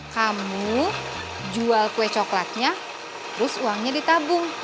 kamu jual kue coklatnya terus uangnya ditabung